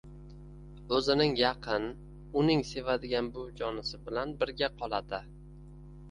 o‘zining yaqin, uning sevadigan buvijonisi bilan birga qoladi.